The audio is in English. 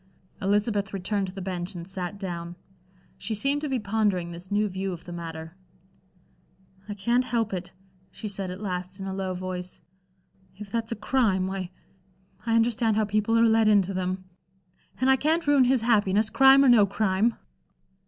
Elizabeth returned to the bench and sat down. She seemed to be pondering this new view of the matter. "I can't help it," she said at last, in a low voice. "If that's a crime, why I understand how people are led into them. And I can't ruin his happiness, crime or no crime."